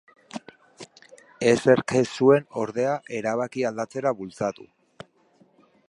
Ezerk ez zuen, ordea, erabakia aldatzera bultzatu.